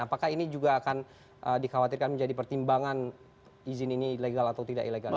apakah ini juga akan dikhawatirkan menjadi pertimbangan izin ini ilegal atau tidak ilegal